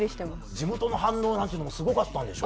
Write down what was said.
地元の反応なんてのもすごかったんでしょ？